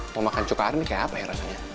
mau makan cukar ini kayak apa ya rasanya